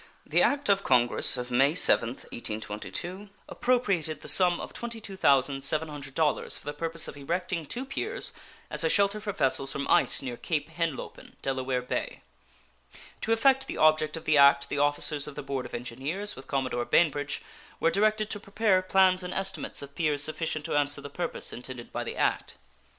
The act of Congress of May 7th, 1822, appropriated the sum of $22,700 for the purpose of erecting two piers as a shelter for vessels from ice near Cape Henlopen, Delaware Bay. To effect the object of the act the officers of the Board of Engineers, with Commodore Bainbridge, were directed to prepare plans and estimates of piers sufficient to answer the purpose intended by the act.